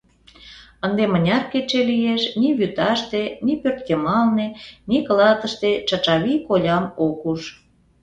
Ынде мыняр кече лиеш, ни вӱташте, ни пӧртйымалне, ни клатыште Чачавий колям ок уж.